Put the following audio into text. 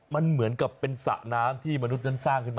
มันเหมือนกับเป็นสระน้ำที่มนุษย์นั้นสร้างขึ้นมา